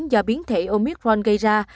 do biến thể omicron gây ra